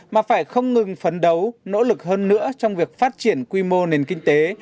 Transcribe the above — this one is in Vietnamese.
mà phải không ngừng phấn đấu nỗ lực hơn nữa trong việc phát triển quy mô nền kinh tế